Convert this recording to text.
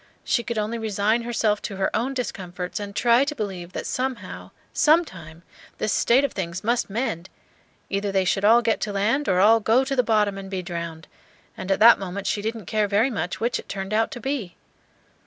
She could only resign herself to her own discomforts, and try to believe that somehow, sometime, this state of things must mend, either they should all get to land or all go to the bottom and be drowned, and at that moment she didn't care very much which it turned out to be.